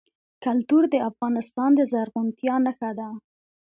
کلتور د افغانستان د زرغونتیا نښه ده.